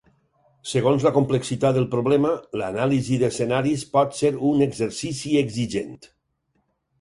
Segons la complexitat del problema, l'anàlisi d'escenaris pot ser un exercici exigent.